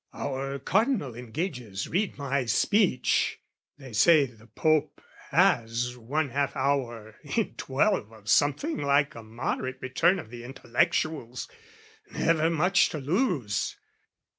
(Our Cardinal engages read my speech: They say, the Pope has one half hour, in twelve, Of something like a moderate return Of the intellectuals, never much to lose!